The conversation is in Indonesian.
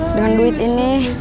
dengan duit ini